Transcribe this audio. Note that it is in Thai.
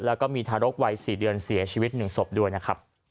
แล้วก็มีทารกวัย๔เดือนเสียชีวิต๑ศพด้วยนะครับ